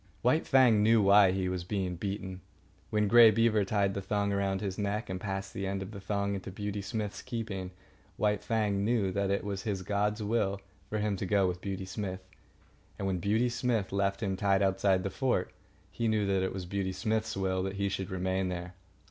White Fang knew why he was being beaten. When Grey Beaver tied the thong around his neck, and passed the end of the thong into Beauty Smith's keeping, White Fang knew that it was his god's will for him to go with Beauty Smith. And when Beauty Smith left him tied outside the fort, he knew that it was Beauty Smith's will that he should remain there.